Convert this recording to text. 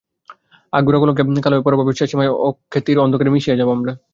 আগাগোড়া কলঙ্কে কালো হয়ে পরাভবের শেষসীমায় অখ্যাতির অন্ধকারে মিশিয়ে যাব আমরা।